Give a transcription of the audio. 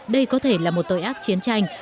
đây có thể là một tội ác chiến tranh